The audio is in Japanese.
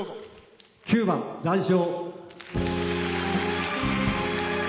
９番「残照」。